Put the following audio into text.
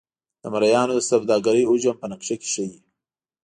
د مریانو د سوداګرۍ حجم په نقشه کې ښيي.